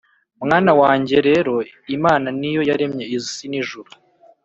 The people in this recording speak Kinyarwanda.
mwana wanjye rero imana ni yo yaremye isi n’ijuru